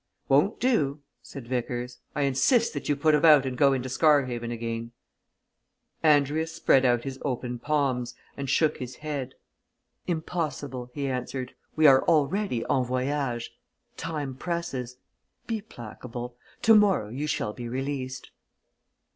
"Won't do!" said Vickers. "I insist that you put about and go into Scarhaven again." Andrius spread out his open palms and shook his head "Impossible!" he answered. "We are already en voyage. Time presses. Be placable tomorrow you shall be released."